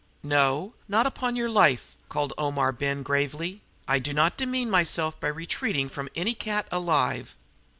"No, not upon your life!" called Omar Ben gravely. "I will not demean myself by retreating from any cat alive."